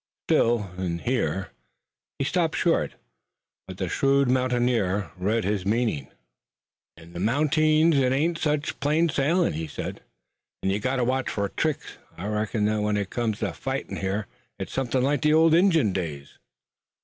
Still in here " He stopped short, but the shrewd mountaineer read his meaning. "In the mountings it ain't sech plain sailin'," he said, "an' you've got to watch fur tricks. I reckon that when it comes to fightin' here, it's somethin' like the old Injun days."